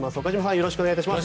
よろしくお願いします。